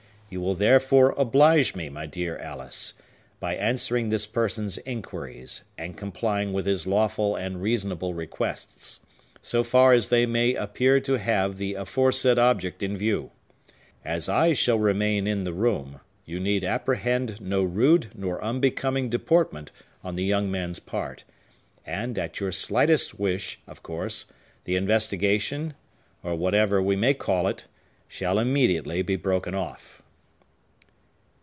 You will therefore oblige me, my dear Alice, by answering this person's inquiries, and complying with his lawful and reasonable requests, so far as they may appear to have the aforesaid object in view. As I shall remain in the room, you need apprehend no rude nor unbecoming deportment, on the young man's part; and, at your slightest wish, of course, the investigation, or whatever we may call it, shall immediately be broken off."